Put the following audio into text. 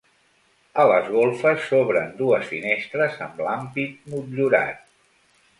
A les golfes s'obren dues finestres amb l'ampit motllurat.